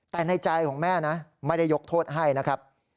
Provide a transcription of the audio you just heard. แต่ในใจของแม่นะไม่ได้ยกโทษให้นะครับ